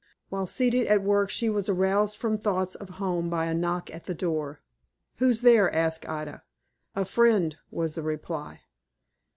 While seated at work, she was aroused from thoughts of home by a knock at the door. "Who's there?" asked Ida. "A friend," was the reply.